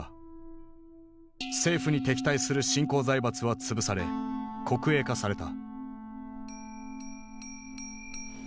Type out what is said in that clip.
政府に敵対する新興財閥は潰され国営化された。